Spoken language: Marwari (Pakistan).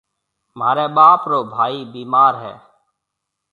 مهاريَ ٻاپ رو ڀائي بِيمار هيَ۔